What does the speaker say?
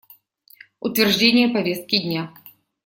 Утверждение повестки дня.